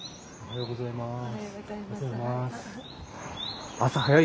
おはようございます。